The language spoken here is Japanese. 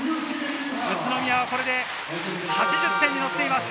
宇都宮はこれで８０点にのせています。